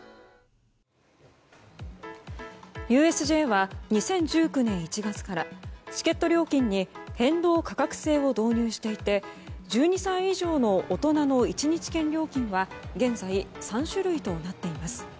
ＵＳＪは２０１９年１月からチケット料金に変動価格制を導入していて１２歳以上の大人の１日券料金は現在、３種類となっています。